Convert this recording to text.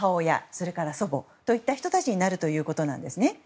それから祖母といった人たちになるということです。